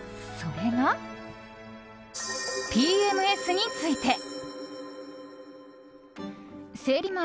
それが、ＰＭＳについて。